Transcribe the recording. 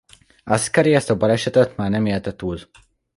Ascari ezt a balesetet már nem élte túl.